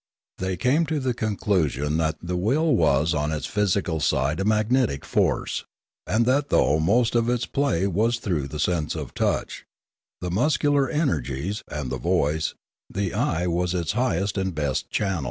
They came to the conclusion that the will was on its physical side a magnetic force, and that though most of its play was through the sense of touch, the muscular energies, and the voice, the eye was its highest and best channel.